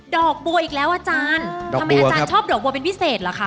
อกบัวอีกแล้วอาจารย์ทำไมอาจารย์ชอบดอกบัวเป็นพิเศษเหรอคะ